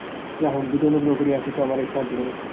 যাহা হউক, যদি অনুগ্রহ করিয়া আসিয়াছ আমার এক সাহায্য কর।